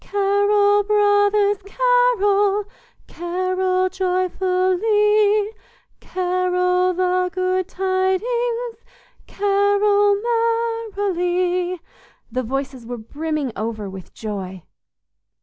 "Carol, brothers, carol, Carol joyfully, Carol the good tidings, Carol merrily!" The voices were brimming over with joy.